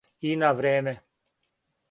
И на време.